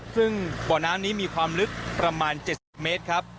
ซึ่งบ่อน้ำนี้มีความลึกประมาณ๗๐เมตรครับ